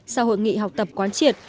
sau hội nghị học tập quán triệt